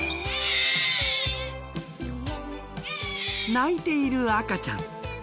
泣いている赤ちゃん。